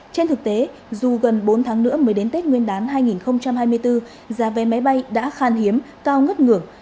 trên thực tế dù gần bốn tháng nữa mới đến tết nguyên đán hai nghìn hai mươi bốn giá vé máy bay đã khan hiếm cao ngất ngửa